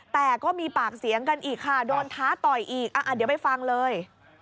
แต่ก็มีปากเสียงกันอีกค่ะโดนท้าต่อยอีกเดี๋ยวไปฟังเลย